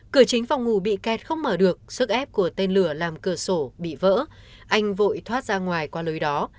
cửa chính phòng ngủ bị kẹt không mở được sức ép của tên lửa làm cửa sổ bị vỡ anh vội thoát ra ngoài qua lối đó